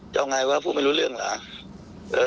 เอาไงวะพูดไม่รู้เรื่องเหรอ